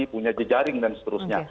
punya jejaring dan seterusnya